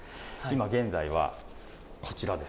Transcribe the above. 今現在はこちらです。